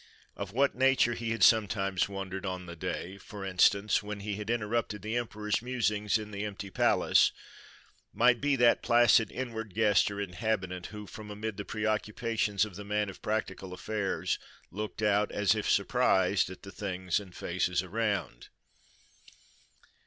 Of what nature, he had sometimes wondered, on the day, for instance, when he had interrupted the emperor's musings in the empty palace, might be that placid inward guest or inhabitant, who from amid the pre occupations of the man of practical affairs looked out, as if surprised, at the things and faces around.